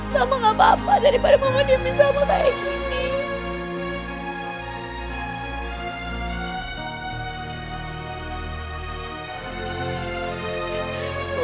sama gak apa apa daripada mama diemin sama kayak gini